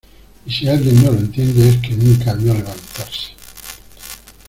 y si alguien no lo entiende, es que nunca vio levantarse